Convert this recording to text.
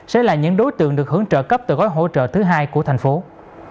sẽ là những đối tượng được hưởng trợ cấp từ gói hỗ trợ thứ hai của tp hcm